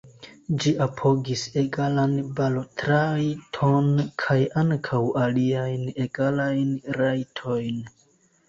Ĝi apogis egalan balotrajton, kaj ankaŭ aliajn egalajn rajtojn.